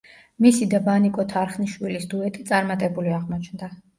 მისი და ვანიკო თარხნიშვილის დუეტი წარმატებული აღმოჩნდა.